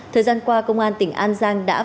thời gian qua công an tỉnh an giang đã vài ngày